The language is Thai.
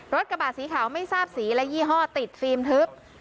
กระบาดสีขาวไม่ทราบสีและยี่ห้อติดฟิล์มทึบ